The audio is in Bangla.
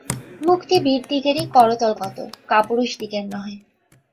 মুক্তি বীরদিগেরই করতলগত, কাপুরুষদিগের নহে।